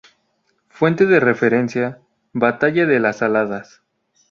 Fuente de referencia: Batalla de Las Saladas.